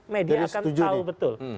media akan tahu betul